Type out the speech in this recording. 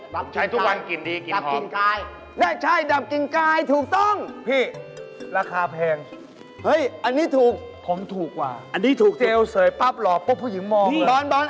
เพราะว่าไม่แข็งมาหลายปีเนี่ย